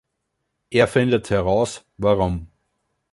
Er findet heraus, warum.